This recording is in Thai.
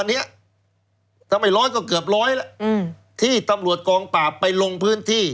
ที่ตำรวจกองปราบไปลงพื้นที่